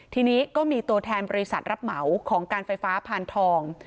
ทีนี้ก็มีตัวแทนบริษัทรับเหมาของการไฟฟ้าพานทอง